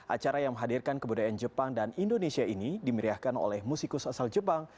acara yang menghadirkan kebudayaan jepang dan indonesia ini dimeriahkan oleh musikus asal jepang